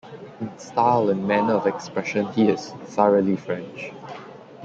In style and manner of expression, he is thoroughly French.